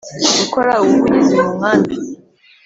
Gukora Ubuvugizi Mu Nkambi